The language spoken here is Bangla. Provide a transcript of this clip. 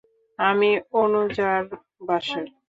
আমি অনুযার বাসায়।